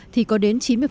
thì có đến chín mươi